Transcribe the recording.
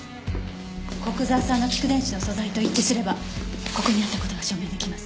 古久沢さんの蓄電池の素材と一致すればここにあった事が証明できます。